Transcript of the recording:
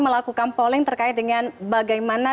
melakukan polling terkait dengan bagaimana